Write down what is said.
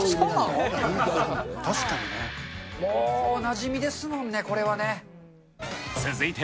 確かにね、もうおなじみですもんね、これはね。続いて。